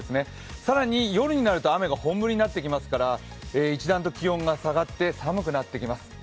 更に夜になると雨が本降りになってきますから一段と気温が下がって寒くなってきます